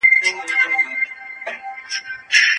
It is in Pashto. په قلم لیکنه کول د ساینس پوهانو او پوهانو لومړنۍ وسیله وه.